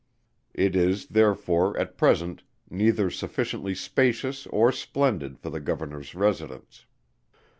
It is, therefore, at present neither sufficiently spacious or splendid for the Governor's residence.